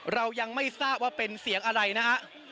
เรายังไม่ทราบว่าเป็นเสียงอะไรนะฮะ